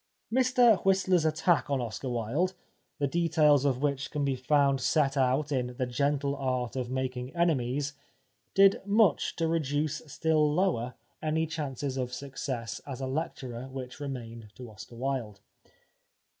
Mr Whistler's attack on Oscar Wilde — the de tails of which can be found set out in "The Gentle Art of Making Enemies "— did much to reduce still lower any chances of success as a lecturer which remained to Oscar Wilde.